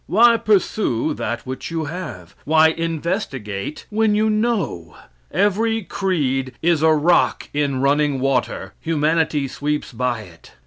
Why pursue that which you have? Why investigate when you know. Every creed is a rock in running water; humanity sweeps by it.